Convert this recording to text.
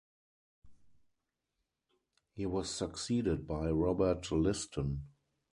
He was succeeded by Robert Liston.